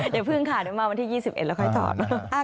เดี๋ยวพึงขาดด้วยมาวันที่๒๑แล้วค่อยถอด